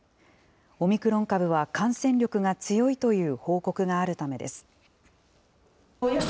オミクロン株は感染力が強いという報告があるためです。